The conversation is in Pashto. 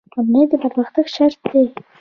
امنیت د پرمختګ شرط دی